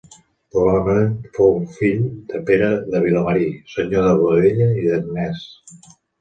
Probablement fou fill de Pere de Vilamarí, senyor de Boadella, i d'Agnès.